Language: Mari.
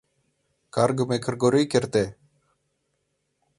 Каргыме Кыргорий керте!..